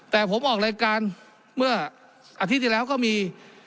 แต่ผมออกรายการเมื่ออาทิตย์ที่แล้วก็มี